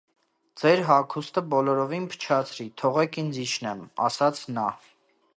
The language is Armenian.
- Ձեր հագուստը բոլորովին փչացրի, թողեք ինձ իջնեմ,- ասաց նա: